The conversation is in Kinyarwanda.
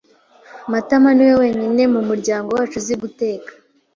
Matama niwe wenyine mu muryango wacu uzi guteka.